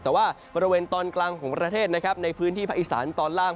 แต่ว่าบริเวณตอนกลางของประเทศนะครับในพื้นที่ภาคอีสานตอนล่าง